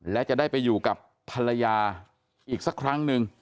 และจะได้ไปอยู่กับภรรยาอีกสักครั้งหนึ่ง